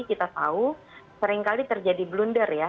kita tahu sering kali terjadi blunder ya